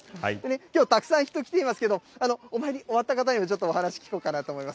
きょうたくさん人来ていますけれども、お参り終わった方にお話聞こうかなと思います。